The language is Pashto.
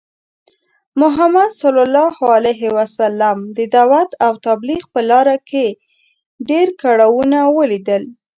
محمد ص د دعوت او تبلیغ په لاره کې ډی کړاوونه ولیدل .